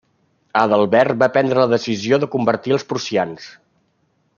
Adalbert va prendre la decisió de convertir els prussians.